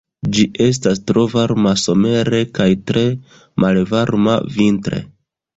Ĝi estas tro varma somere kaj tre malvarma vintre.